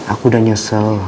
aku udah nyesel